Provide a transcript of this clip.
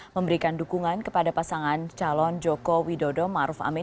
memberikan dukungan kepada pasangan calon joko widodo maruf amin